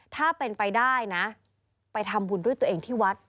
ถ้าเป็นไปได้นะไปทำบุญด้วยตัวเองที่วัด